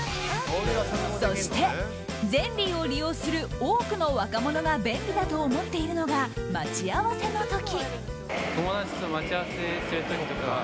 そして、ｚｅｎｌｙを利用する多くの若者が便利だと思っているのが待ち合わせの時。